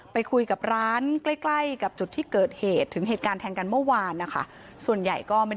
ไปคุยกับร้านใกล้กับจุดที่เกิดเหตุถึงเหตุการณ์แทนกันเมื่อวานนะคะ